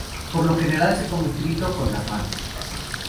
Por lo general se come frito, con las manos.